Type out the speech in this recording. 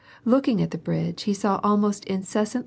Looking at the bridge he saw the almost incessant